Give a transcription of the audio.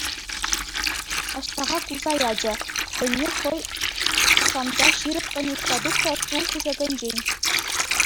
Аҫтаха кулса ячӗ, хӑйне хӑй шанса ҫирӗппӗн утса тухрӗ ту хушӑкӗнчен.